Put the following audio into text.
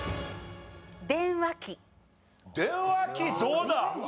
電話機どうだ？